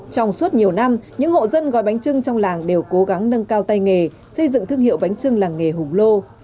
trong suốt nhiều năm những hộ dân gói bánh trưng trong làng đều cố gắng nâng cao tay nghề xây dựng thương hiệu bánh trưng làng nghề hùng lô